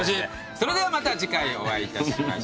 それではまた次回お会いいたしましょう。